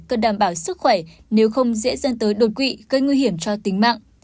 cần đảm bảo sức khỏe nếu không dễ dẫn tới đột quỵ gây nguy hiểm cho tính mạng